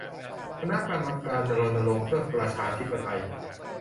คณะกรรมการรณรงค์เพื่อประชาธิปไตย